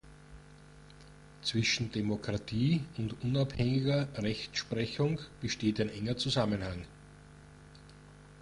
Zwischen Demokratie und unabhängiger Rechtsprechung besteht ein enger Zusammenhang.